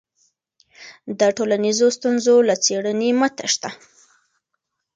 د ټولنیزو ستونزو له څېړنې مه تېښته.